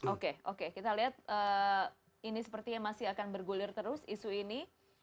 oke oke kita lihat ini sepertinya masih akan bergulir terus isu ini